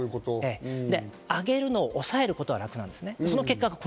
上げるのを抑えることは楽なんです。